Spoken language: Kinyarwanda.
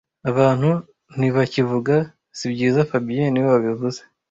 Abantu ntibakivuga sibyiza fabien niwe wabivuze